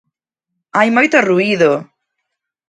Hai moito ruído.